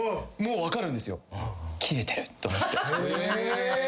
もう分かるんですよ。